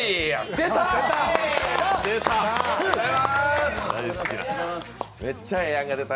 出た！